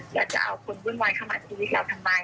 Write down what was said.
อยากจะเอาคุณวื่นวายเข้ามาชีวิตเราทำไม